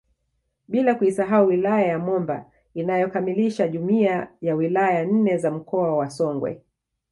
Bila kuisahau wilaya ya Momba inayokamilisha jumla ya wilaya nne za mkoa wa Songwe